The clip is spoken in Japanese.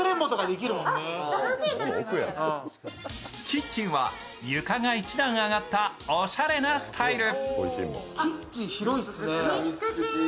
キッチンは床が一段上がったおしゃれなスタイル。